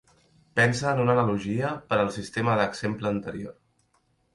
Pensa en una analogia per al sistema d'exemple anterior.